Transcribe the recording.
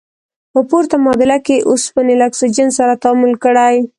په پورته معادله کې اوسپنې له اکسیجن سره تعامل کړی.